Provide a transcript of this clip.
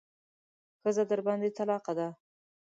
ښځه درباندې طلاقه ده.